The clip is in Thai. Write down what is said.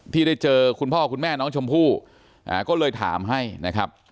ที่ได้เจอคุณพ่อคุณแม่น้องชมพู่ก็เลยถามให้นะครับ